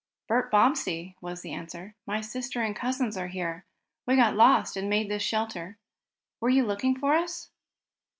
"Bert Bobbsey," was the answer. "My sister and cousins are here. We got lost and made this shelter. Were you looking for us?"